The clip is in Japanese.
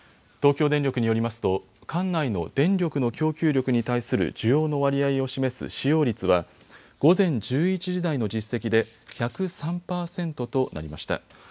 東京電力によりますと管内の電力の供給力に対する需要の割合を示す使用率は午前１１時台の実績で１０３％となりました。